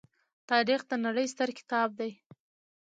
تاریخ د نړۍ ستر کتاب دی.